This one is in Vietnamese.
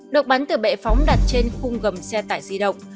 được bắn từ bệ phóng đặt trên khung gầm xe tải di động